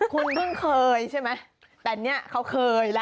คุณเพิ่งเคยใช่ไหมแต่เนี่ยเขาเคยแล้ว